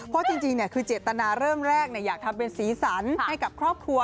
เพราะจริงคือเจตนาเริ่มแรกอยากทำเป็นสีสันให้กับครอบครัว